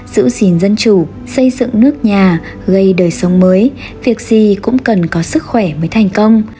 xây dựng nước nhà gây đời sống mới việc gì cũng cần có sức khỏe mới thành công